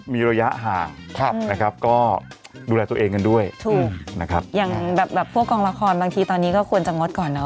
มีระยะห่างครับนะครับก็ดูแลตัวเองกันด้วยถูกนะครับอย่างแบบพวกกองละครบางทีตอนนี้ก็ควรจะงดก่อนเนอ